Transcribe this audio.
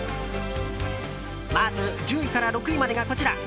まず１０位から６位までがこちら。